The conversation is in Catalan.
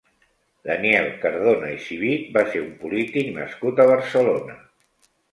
Daniel Cardona i Civit va ser un polític nascut a Barcelona.